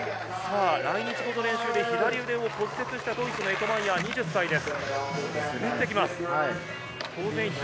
来日後の練習で左腕を骨折した、ドイツのエドマイヤーです。